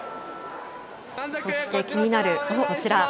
そして気になるこちら。